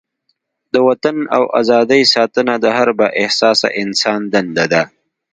د وطن او ازادۍ ساتنه د هر با احساسه انسان دنده ده.